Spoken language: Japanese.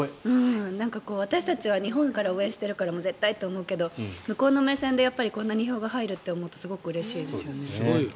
私たちは日本から応援してるから絶対って思うけど向こうの目線でこんなに票が入ると思うとすごくうれしいですよね。